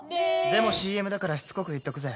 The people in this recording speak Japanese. でもＣＭだからしつこく言っとくぜ！